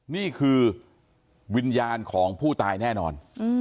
นี่คือวิญญาณของผู้ตายแน่นอน